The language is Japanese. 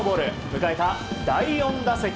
迎えた第４打席。